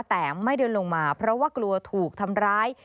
แต่ไม่เดินลงมาเพราะว่ากลัวถูกทำร้าย